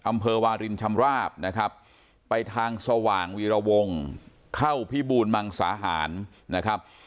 อำเภอวารินชำราบนะครับไปทางสว่างวีรวงเข้าพิบูรมังสาหารนะครับ